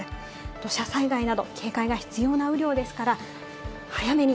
土砂災害など警戒が必要な雨量ですから、早めに。